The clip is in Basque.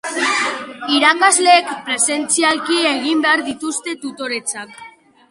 Irakasleek presentzialki egin behar dituzte tutoretzak.